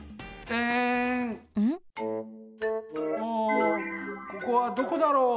あここはどこだろう？